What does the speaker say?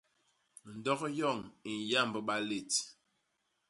Ndok yoñ i nyamb balét.